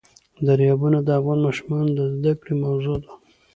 دریابونه د افغان ماشومانو د زده کړې موضوع ده.